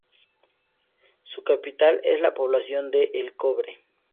Su capital es la población de El Cobre.